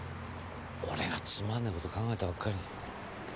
俺がつまんねぇ事考えたばっかりに。